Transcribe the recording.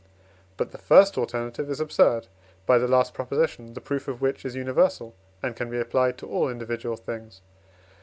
But the first alternative is absurd (by the last Prop., the proof of which is universal, and can be applied to all individual things).